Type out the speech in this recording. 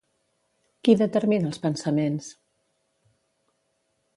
Qui determina els pensaments?